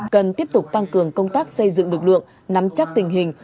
cần tiếp tục tăng cường công tác xây dựng lực lượng nắm chắc tình hình